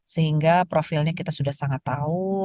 sehingga profilnya kita sudah sangat tahu